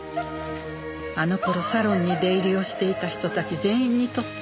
あの頃サロンに出入りをしていた人たち全員にとって。